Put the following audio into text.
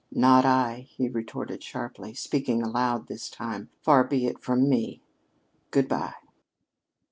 "Not I," he retorted sharply, speaking aloud this time. "Far be it from me! Good bye."